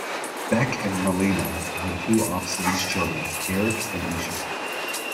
Beck and Malina had "two offstage children", Garrick and Isha.